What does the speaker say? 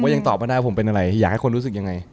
ยังตอบไม่ได้ว่าผมเป็นอะไรอยากให้คนรู้สึกยังไง